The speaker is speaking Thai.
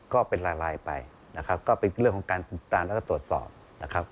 ก็เป็นลายไปก็เป็นเรื่องของการตรวจสอบ